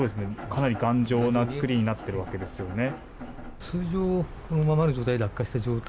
かなり頑丈なつくりになっているわけですよね。